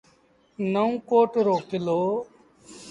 نئون ڪوٽ رو ڪلو۔